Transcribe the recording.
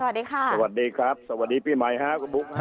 สวัสดีค่ะสวัสดีครับสวัสดีพี่หมายฮะ